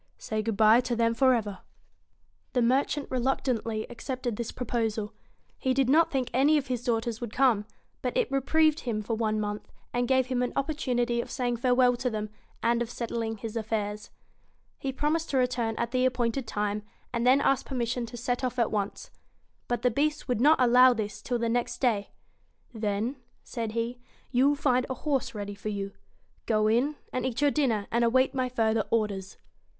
Say good bye to them for ever.' 84 eluctantly He did not think any of his daughters would come ; AND 1 but it reprieved him for one month, and gave him BEAST an opportunity of saying farewell to them, and of settling his affairs. He promised to return at the appointed time, and then asked permission to set off at once. But the Beast would not allow this till the next day. 'Then,' said he, 'you will find a horse ready for you. Go in, and eat your dinner, and await my further orders.'